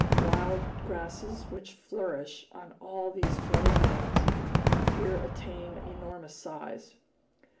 Wild grasses, which flourish on all these flooded lands, here attain enormous size.